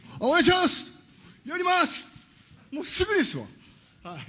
もうすぐですよ。